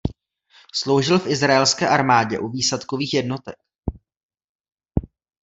Sloužil v izraelské armádě u výsadkových jednotek.